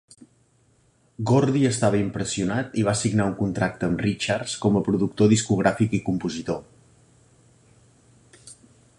Gordy estava impressionat i va signar un contracte amb Richards com a productor discogràfic i compositor.